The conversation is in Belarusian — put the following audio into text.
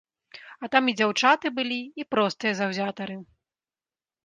А там і дзяўчаты былі, і простыя заўзятары.